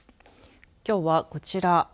きょうはこちら。